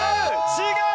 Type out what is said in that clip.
違う！